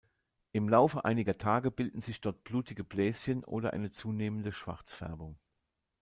Im Laufe einiger Tage bilden sich dort blutige Bläschen oder eine zunehmende Schwarzfärbung.